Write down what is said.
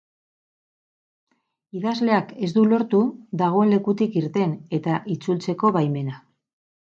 Idazleak ez du lortu dagoen lekutik irten eta itzultzeko baimena.